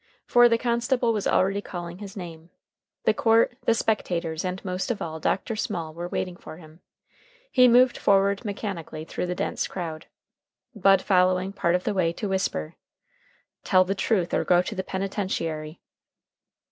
For the constable was already calling his name; the court, the spectators, and, most of all, Dr. Small, were waiting for him. He moved forward mechanically through the dense crowd, Bud following part of the way to whisper, "Tell the truth or go to penitentiary."